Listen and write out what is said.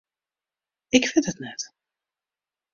Ik wit it net.